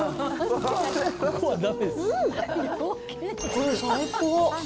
これ、最高！